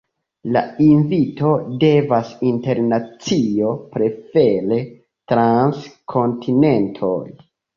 La invito devas internacio, prefere trans kontinentoj.